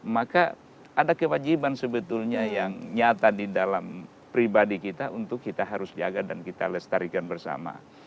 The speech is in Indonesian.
maka ada kewajiban sebetulnya yang nyata di dalam pribadi kita untuk kita harus jaga dan kita lestarikan bersama